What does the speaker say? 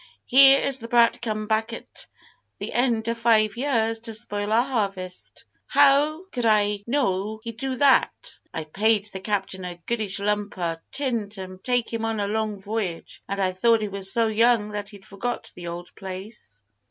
Here is the brat come back at the end o' five years, to spoil our harvest!" "How could I know he'd do that? I paid the captain a goodish lump o' tin to take him on a long voyage, and I thought he was so young that he'd forget the old place."